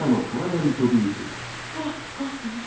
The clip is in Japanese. ほら怖くない。